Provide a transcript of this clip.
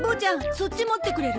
そっち持ってくれる？